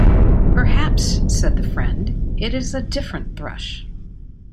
"Perhaps," said the friend, "it is a different thrush."